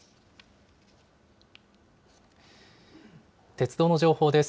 鉄道の情報です。